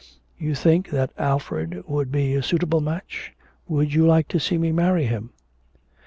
'You think that Alfred would be a suitable match? Would you like to see me marry him?'